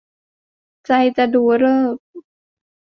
ใครจะดูฤกษ์